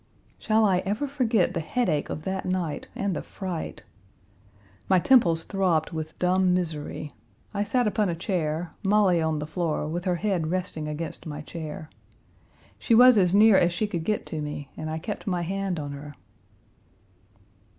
Shall I ever forget the headache of that night and the fright, My temples throbbed with dumb misery. I sat upon a chair, Molly on the floor, with her head resting against my chair. She was as near as she could get to me, and I kept my hand on her.